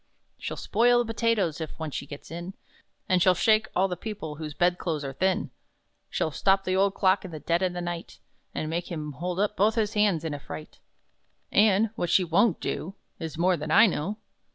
"She'll spoil the potatoes (if once she gets in), And she'll shake all the people whose bed clothes are thin! She'll stop the old clock in the dead o' the night, And make him hold up both his hands in a fright; And what she won't do, Is more than I know!